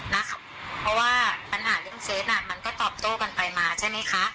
เพราะว่าปัญหาเรื่องเซฟน่ะมันก็ตอบโต้กันไปมาใช่ไหมคะ